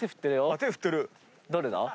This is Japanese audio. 誰だ？